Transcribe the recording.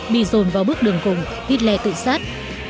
bị dồn vào bước đường cùng hitler tự sát